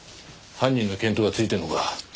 犯人の見当はついてるのか？